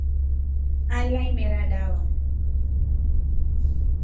Aleya imera dava.